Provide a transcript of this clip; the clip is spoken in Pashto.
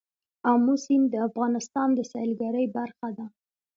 آمو سیند د افغانستان د سیلګرۍ برخه ده.